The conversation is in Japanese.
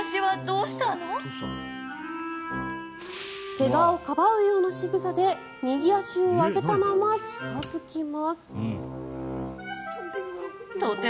怪我をかばうようなしぐさで右足を上げたまま近付きます。